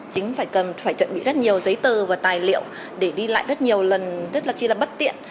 chính phải chuẩn bị rất nhiều giấy tờ và tài liệu để đi lại rất nhiều lần rất là chi là bất tiện